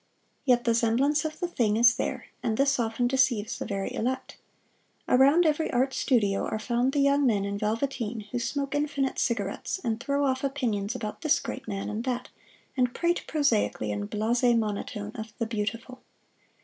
Yet the semblance of the thing is there and this often deceives the very elect. Around every art studio are found the young men in velveteen who smoke infinite cigarettes, and throw off opinions about this great man and that, and prate prosaically in blase monotone of the Beautiful.